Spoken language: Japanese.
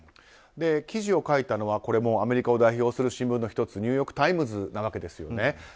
記事を書いたのはアメリカを代表する新聞の１つニューヨーク・タイムズなわけですよね。